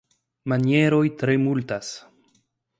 Manieroj tre multas.